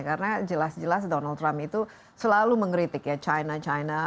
karena jelas jelas donald trump itu selalu mengeritik ya china china